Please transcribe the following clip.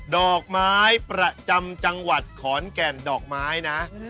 ดอกไม้ประจำจังหวัดขอนแก่นดอกไม้นะ